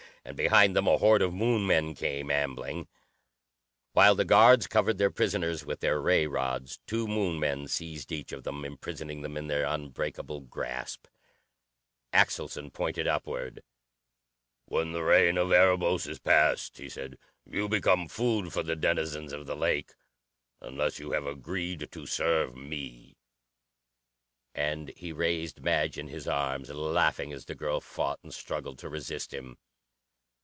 And behind them a horde of Moon men came, ambling. While the guards covered their prisoners with their ray rods, two Moon men seized each of them, imprisoning him in their unbreakable grasp. Axelson pointed upward. "When the reign of Erebos is past," he said, "you become food for the denizens of the lake, unless you have agreed to serve me." And he raised Madge in his arms, laughing as the girl fought and struggled to resist him.